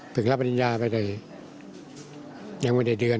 รับปริญญาไปได้ยังไม่ได้เดือน